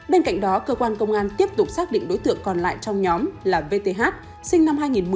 bên cạnh đó cơ quan công an tiếp tục xác định đối tượng còn lại trong nhóm là vth sinh năm hai nghìn một mươi